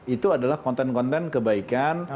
itu adalah konten konten kebaikan